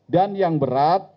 dan yang berat